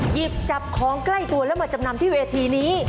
หยิบจับของใกล้ตัวแล้วมาจำนำที่เวทีนี้